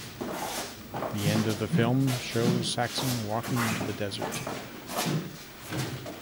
The end of the film shows Saxon walking into the desert.